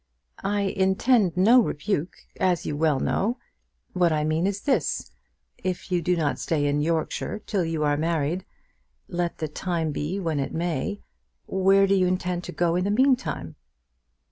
"I intend no rebuke, as you well know. What I mean is this; if you do not stay in Yorkshire till you are married, let the time be when it may, where do you intend to go in the meantime?"